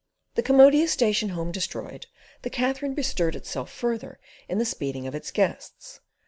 The commodious station home destroyed, the Katherine bestirred itself further in the speeding of its guests.